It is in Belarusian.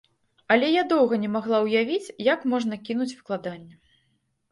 Але я доўга не магла ўявіць, як можна кінуць выкладанне.